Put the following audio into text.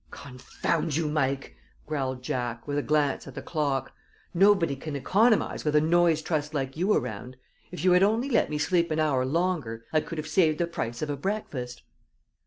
"Confound you, Mike!" growled Jack, with a glance at the clock. "Nobody can economize with a noise trust like you around. If you had only let me sleep an hour longer I could have saved the price of a breakfast!"